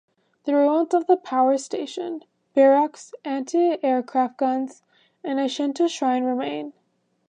The ruins of the power station, barracks, anti-aircraft guns and a Shinto shrine remain.